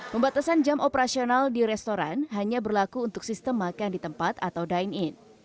pembatasan jam operasional di restoran hanya berlaku untuk sistem makan di tempat atau dine in